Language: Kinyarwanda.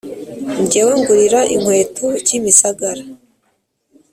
Njyewe ngurira inkweto kimisagara